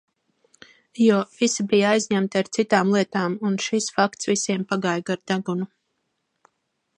Jo visi bija aizņemti ar citām lietām un šis fakts visiem pagāja gar degunu.